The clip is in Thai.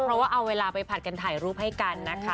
เพราะว่าเอาเวลาไปผัดกันถ่ายรูปให้กันนะคะ